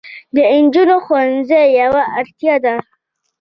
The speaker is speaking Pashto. د نجونو ښوونځي یوه اړتیا ده.